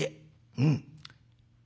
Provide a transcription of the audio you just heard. うん。